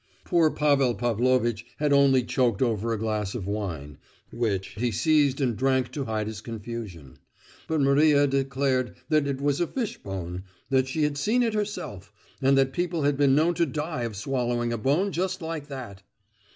Poor Pavel Pavlovitch had only choked over a glass of wine, which he seized and drank to hide his confusion; but Maria declared that it was a fishbone—that she had seen it herself, and that people had been known to die of swallowing a bone just like that.